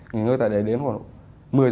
nghỉ ngơi tại đấy đến khoảng